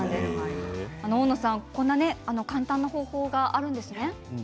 大野さん、こんな簡単な方法があるんですね。